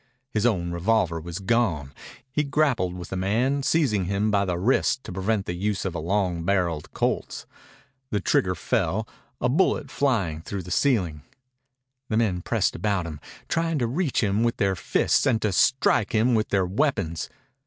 His own revolver was gone. He grappled with a man, seizing him by the wrist to prevent the use of a long barreled Colt's. The trigger fell, a bullet flying through the ceiling. Other men pressed about him, trying to reach him with their fists and to strike him with their weapons.